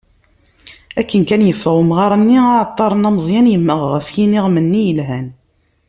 Akken kan yeffeγ umγar-nni, aεeṭṭar-nni ameẓyan, yemmeγ γef yiniγem-nni yelhan.